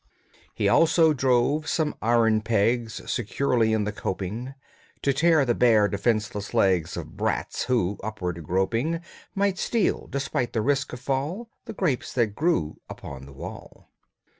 He also drove some iron pegs Securely in the coping, To tear the bare, defenceless legs Of brats who, upward groping, Might steal, despite the risk of fall, The grapes that grew upon the wall.